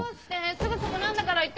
すぐそこなんだから行ってきてよ。